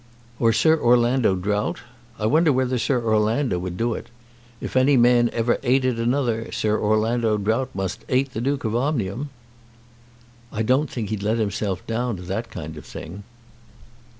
Or Sir Orlando Drought? I wonder whether Sir Orlando would do it. If any man ever 'ated another, Sir Orlando Drought must 'ate the Duke of Omnium." "I don't think he'd let himself down to that kind of thing."